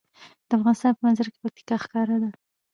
د افغانستان په منظره کې پکتیا ښکاره ده.